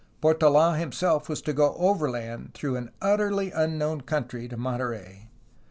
Portold himself was to go overland through an utterly un known country to Monterey.